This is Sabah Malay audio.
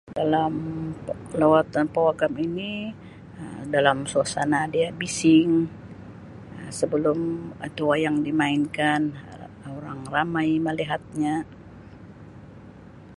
Dalam lawatan pawagam ini Um dalam suasana dia bising Um sebelum atau wayang dimainkan Um orang ramai melihatnya.